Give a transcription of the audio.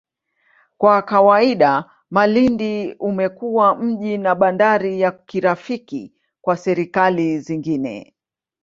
Kwa kawaida, Malindi umekuwa mji na bandari ya kirafiki kwa serikali zingine.